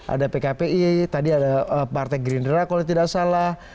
ada pkpi tadi ada partai gerindra kalau tidak salah